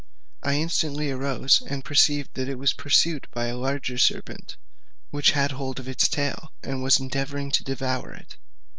I instantly arose, and perceived that it was pursued by a larger serpent which had hold of its tail, and was endeavouring to devour it.